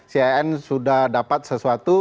cin sudah dapat sesuatu